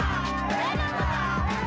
hidup ujang hidup ujang